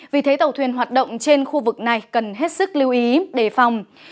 vì thế tàu thuyền hoạt động trên khu vực này cần hết sức lưu ý đề phòng